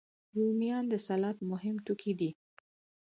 رومیان د سلاد مهم توکي دي